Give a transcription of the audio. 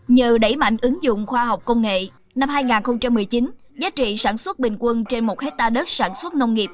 nhờ đẩy mạnh ứng dụng khoa học công nghệ năm hai nghìn một mươi chín giá trị sản xuất bình quân trên một hectare đất sản xuất nông nghiệp